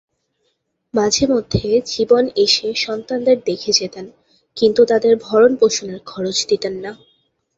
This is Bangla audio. মাঝেমধ্যে জীবন এসে সন্তানদের দেখে যেতেন, কিন্তু তাদের ভরণপোষণের খরচ দিতেন না।